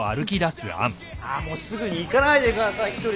もうすぐに行かないでください１人で。